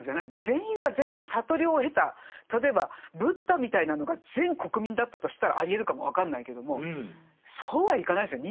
全員が全員悟りを経た例えばブッダみたいなのが全国民だったとしたらありえるかも分かんないけどもそうはいかないですよ。